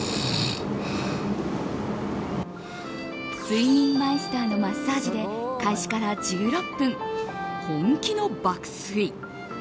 睡眠マイスターのマッサージで開始から１６分、本気の爆睡。